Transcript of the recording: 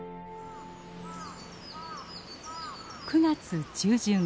９月中旬。